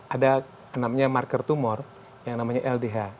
ada namanya marker tumor yang namanya ldh